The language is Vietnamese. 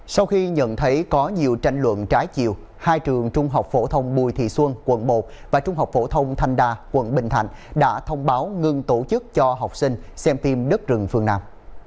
sau khi nhận thấy có nhiều tranh luận trái chiều hai trường trung học phổ thông bùi thị xuân quận một và trung học phổ thông thanh đa quận bình thạnh đã thông báo ngưng tổ chức cho học sinh xem phim đất rừng phương nam